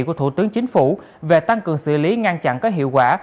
của thủ tướng chính phủ về tăng cường xử lý ngăn chặn các hiệu quả